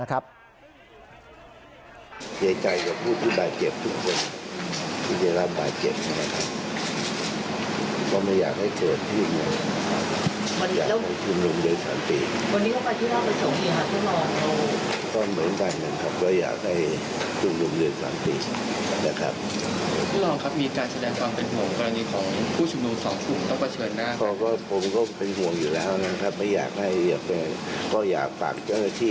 ก็อยากฝากเจ้าหน้าที่